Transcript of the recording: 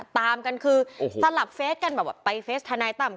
ตามกันคือโอ้โหสลับเฟสกันแบบว่าไปเฟสทนายต่ำ